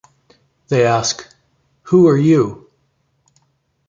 They ask, 'Who are you?